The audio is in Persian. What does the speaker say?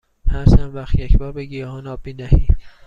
هر چند وقت یک بار به گیاهان آب می دهی؟